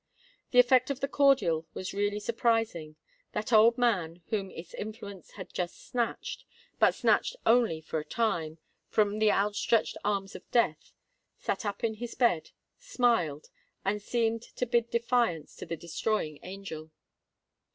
The effect of the cordial was really surprising: that old man, whom its influence had just snatched—but snatched only for a time—from the out stretched arms of death, sate up in his bed, smiled, and seemed to bid defiance to the destroying angel.